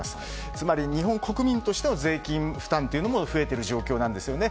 つまり、日本国民としては税金負担というのも増えている状況なんですよね。